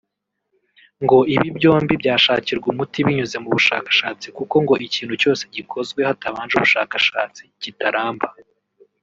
ngo ibi byombi byashakirwa umuti binyuze mu bushakashatsi kuko ngo ikintu cyose gikozwe hatabanje ubushakashatsi kitaramba